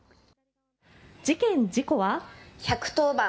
事件、事故は１１０番。